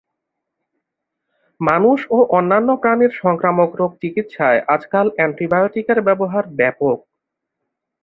মানুষ ও অন্যান্য প্রাণীর সংক্রামক রোগ চিকিৎসায় আজকাল অ্যান্টিবায়োটিকের ব্যবহার ব্যাপক।